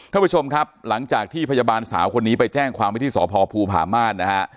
ท่านผู้ชมครับหลังจากที่พยาบาลสาวคนนี้ไปแจ้งความไว้ที่สพภูผาม่านนะฮะ